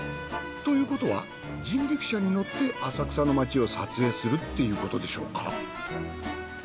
ということは人力車に乗って浅草の街を撮影するっていうことでしょうか。